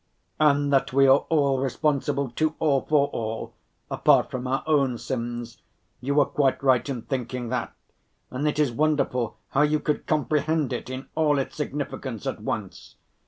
"And that we are all responsible to all for all, apart from our own sins, you were quite right in thinking that, and it is wonderful how you could comprehend it in all its significance at once.